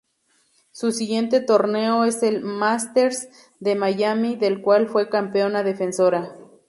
Su siguiente torneo es el Masters de Miami del cual fue campeona defensora.